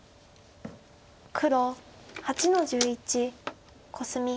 黒８の十一コスミ。